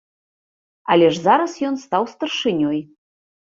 Але ж зараз ён стаў старшынёй.